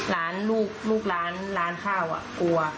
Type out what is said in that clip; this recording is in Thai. ล้านลูกลูกร้านร้านข้าวกลัว